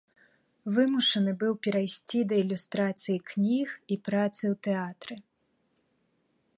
Вымушаны быў перайсці да ілюстрацыі кніг і працы ў тэатры.